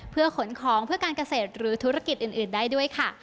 เพื่อขนของเพื่อการเกษตรหรือธุรกิจอื่นได้ด้วยค่ะ